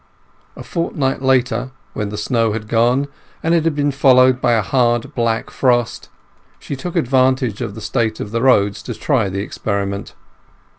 A fortnight later, when the snow had gone, and had been followed by a hard black frost, she took advantage of the state of the roads to try the experiment.